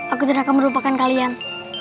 aku tidak akan melupakan kalian